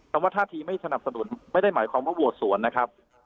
แต่ว่าท่าทีไม่สนับสนุนไม่ได้หมายความว่าโหวตสวนนะครับ